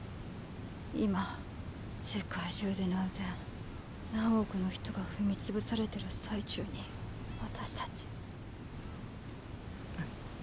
今世界中で何千何億の人が踏み潰されてる最中に私たち。